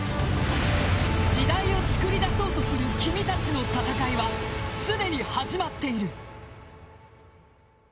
時代を作り出そうとする君たちの戦いはすでに始まっている。